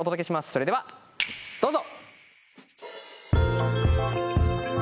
それではどうぞ！